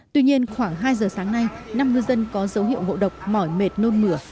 tuy nhiên khoảng hai giờ sáng nay năm ngư dân có dấu hiệu ngộ độc mỏi mệt nôn mửa